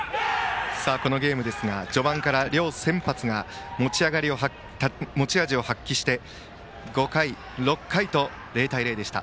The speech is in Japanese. このゲームですが序盤から両先発が持ち味を発揮して５回、６回と０対０でした。